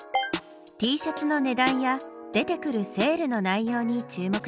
Ｔシャツの値段や出てくるセールの内容に注目してね。